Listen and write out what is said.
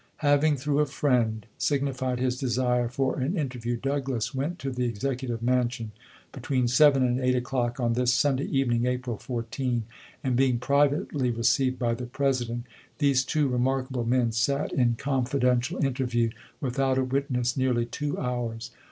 Having, through a friend, signified his desire for an interview, Douglas went to the Executive Mansion between seven and eight o'clock on this Sunday evening, April 14, and being privately received by the President, these two remarkable men sat in confidential interview, without a wit ness, nearly two hours.